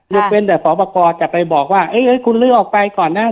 เดี๋ยวเป็นแต่ฝประกอบจะไปบอกว่าเอ๊ยเอ๊ยคุณเลือกออกไปก่อนน่ะ